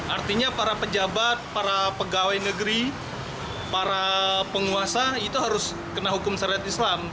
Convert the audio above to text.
artinya para pejabat para pegawai negeri para penguasa itu harus kena hukum syariat islam